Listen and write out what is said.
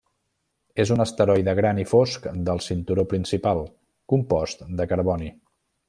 És un asteroide gran i fosc del cinturó principal compost de carboni.